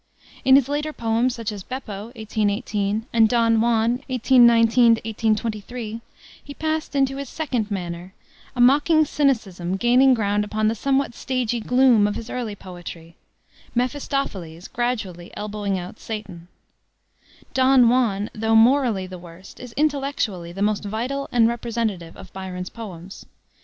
In his later poems, such as Beppo, 1818, and Don Juan, 1819 1823, he passed into his second manner, a mocking cynicism gaining ground upon the somewhat stagy gloom of his early poetry Mephistophiles gradually elbowing out Satan. Don Juan, though morally the worst, is intellectually the most vital and representative of Byron's poems.